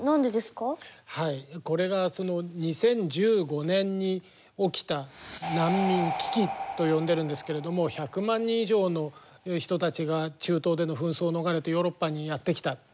これがその２０１５年に起きた難民危機と呼んでるんですけれども１００万人以上の人たちが中東での紛争を逃れてヨーロッパにやって来た。